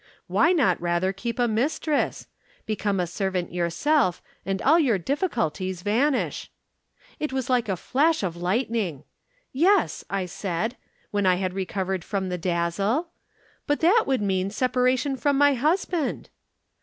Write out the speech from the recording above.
'Why not rather keep a mistress? Become a servant yourself and all your difficulties vanish.' It was like a flash of lightning. 'Yes,' I said, when I had recovered from the dazzle, 'but that would mean separation from my husband.'